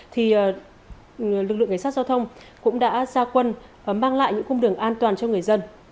thì lực lượng cảnh sát giao thông cũng đã ra quân mang lại những khung đường an toàn cho người dân